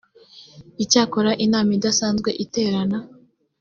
icyakora inama idasanzwe iterane